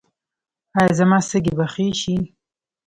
ایا زما سږي به ښه شي؟